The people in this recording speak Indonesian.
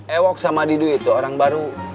ewok sama didu itu orang baru